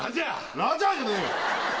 ラジャーじゃねえよ。